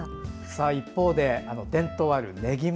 一方で伝統ある、ねぎま。